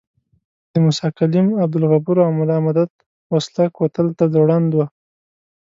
د موسی کلیم، عبدالغفور او ملا مدت وسله کوتل ته ځوړند وو.